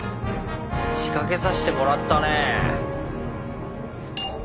仕掛けさせてもらったねぇ。